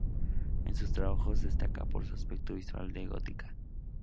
En sus trabajos destaca por su aspecto visual de gótica.